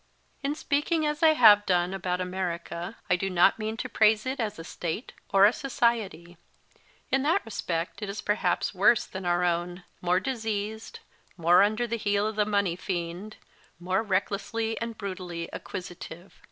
In speaking as I have done about America I do not mean to praise it as a State or a society. In that respect it is perhaps worse than our own, more diseased, more under the heel of the money fiend, more recklessly and brutally acquisitive.